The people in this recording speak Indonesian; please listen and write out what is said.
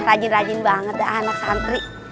rajin rajin banget anak santri